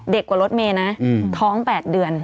เด็กกว่ารถเมย์นะท้อง๘เดือน